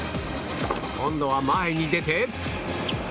今度は前に出て。